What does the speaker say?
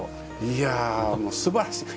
いやもうすばらしい。